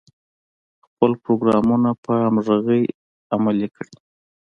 خپل پروګرامونه په همغږۍ کې عملي کړي.